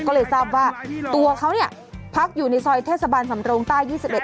ก็เลยทราบว่าตัวเขาเนี่ยพักอยู่ในซอยเทศบาลสำรงใต้๒๑